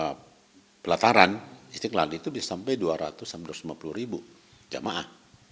kalau di bagian pelataran iskallal itu bisa sampai dua ratus lima puluh ribu jamaah